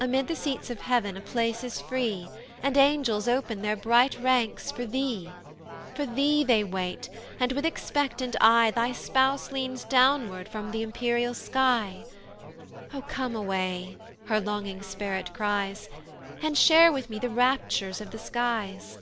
Amid the seats of heav'n a place is free, And angels open their bright ranks for thee; For thee they wait, and with expectant eye Thy spouse leans downward from th' empyreal sky: "O come away," her longing spirit cries, "And share with me the raptures of the skies.